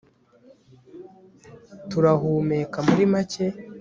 turahumeka, muri make